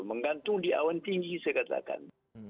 menggantung di awan tinggi saya katakan